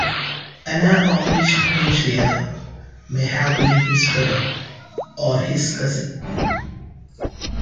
Anna of East Anglia may have been his brother, or his cousin.